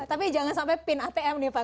tapi jangan sampai pin atm nih pak